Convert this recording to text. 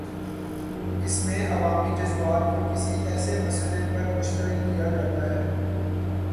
اس میں عوامی جذبات کو کسی ایسے مسئلے پر مشتعل کیا جاتا ہے۔